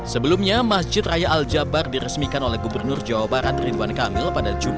sebelumnya masjid raya al jabbar diresmikan oleh gubernur jawa barat ridwan kandung